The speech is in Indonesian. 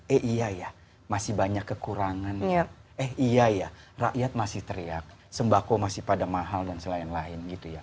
eh iya ya masih banyak kekurangan eh iya ya rakyat masih teriak sembako masih pada mahal dan lain lain